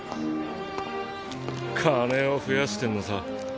金を増やしてんのさ。